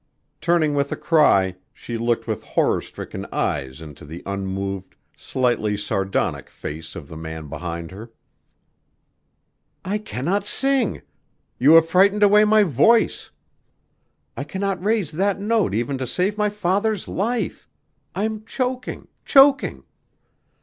Turning with a cry, she looked with horror stricken eyes into the unmoved, slightly sardonic face of the man behind her. "I cannot sing! You have frightened away my voice. I cannot raise that note even to save my father's life. I'm choking, choking."